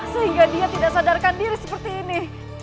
sehingga dia tidak sadarkan diri seperti ini